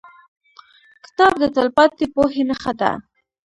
کتاب د تلپاتې پوهې نښه ده.